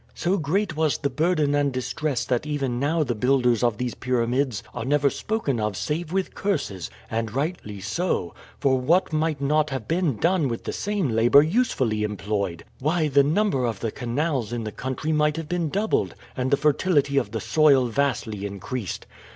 So great was the burden and distress that even now the builders of these pyramids are never spoken of save with curses; and rightly so, for what might not have been done with the same labor usefully employed! Why, the number of the canals in the country might have been doubled and the fertility of the soil vastly increased.